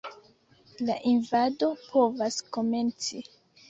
La invado povas komenci.